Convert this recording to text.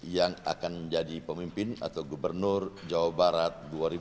yang akan menjadi pemimpin atau gubernur jawa barat dua ribu delapan belas dua ribu dua puluh tiga